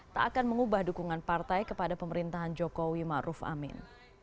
tak akan mengubah dukungan partai kepada pemerintahan joko wimaru amin